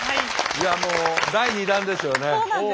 いやもう第２弾ですよね。